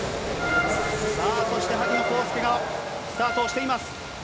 そして萩野公介がスタートをしています。